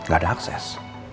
gak ada akses